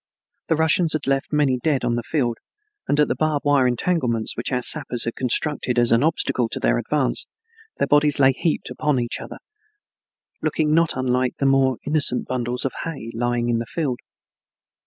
The Russians had left many dead on the field, and at the barbed wire entanglements which our sappers had constructed as an obstacle to their advance, their bodies lay heaped upon each other, looking not unlike the more innocent bundles of hay lying in the field.